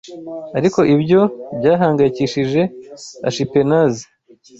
Ariko ibyo byahangayikishije Ashipenazi